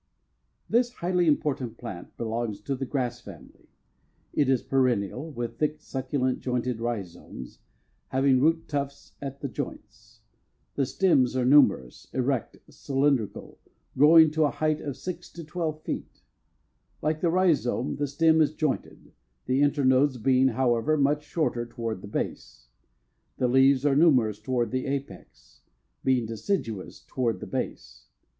This highly important plant belongs to the grass family. It is perennial, with thick, succulent, jointed rhizomes, having root tufts at the joints. The stems are numerous, erect, cylindrical, growing to a height of six to twelve feet. Like the rhizome, the stem is jointed, the internodes being, however, much shorter toward the base. The leaves are numerous toward the apex, being deciduous toward the base.